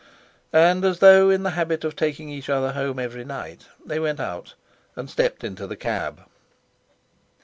And as though in the habit of taking each other home every night they went out and stepped into the cab.